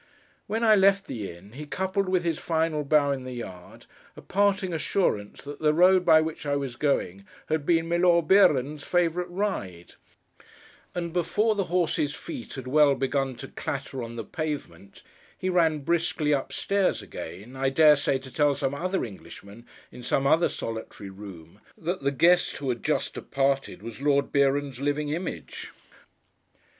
When I left the inn, he coupled with his final bow in the yard, a parting assurance that the road by which I was going, had been Milor Beeron's favourite ride; and before the horse's feet had well begun to clatter on the pavement, he ran briskly up stairs again, I dare say to tell some other Englishman in some other solitary room that the guest who had just departed was Lord Beeron's living image.